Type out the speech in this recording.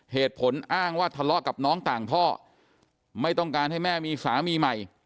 เหตุผลอ้างว่าทะเลาะกับน้องต่างพ่อไม่ต้องการให้แม่มีสามีใหม่